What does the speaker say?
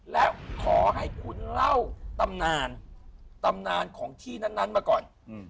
และขอให้คุณเล่าตำนานตำนานของที่นั้นมาก่อน